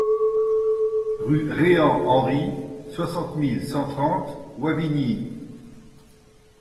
Rue Reant Henri, soixante mille cent trente Wavignies